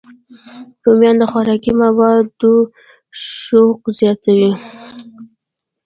رومیان د خوراکي موادو شوق زیاتوي